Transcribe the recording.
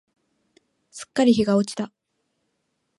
すっかり日が落ちた。